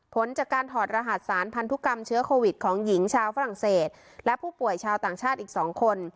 ผลจากการถอดรหัสสารพันธุกรรมเชื้อโควิดของหญิงชาวฝรั่งเศสและผู้ป่วยชาวต่างชาติอีก๒คน